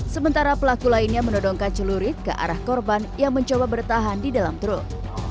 sementara pelaku lainnya menodongkan celurit ke arah korban yang mencoba bertahan di dalam truk